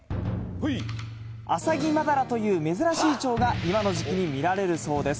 アサギマダラという珍しいちょうが、今の時期に見られるそうです。